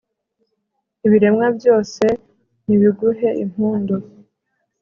ibiremwa byose nibiguhe impundu